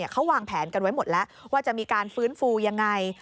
เขาวางแผนกันไว้หมดแล้วว่าจะมีการฟื้นฟูยังไง